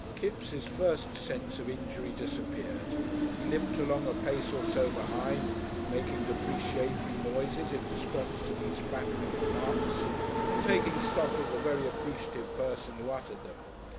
Kipps' first sense of injury disappeared. He limped along a pace or so behind, making depreciatory noises in response to these flattering remarks and taking stock of the very appreciative person who uttered them.